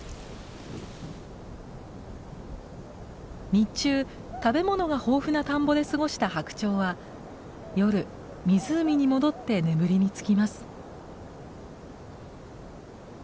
日中食べ物が豊富な田んぼで過ごしたハクチョウは夜湖に戻って眠りにつきます。